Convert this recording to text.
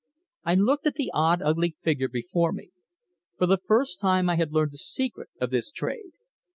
I looked at the odd, ugly figure before me. For the first time I had learned the secret of this trade.